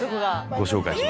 ご紹介します。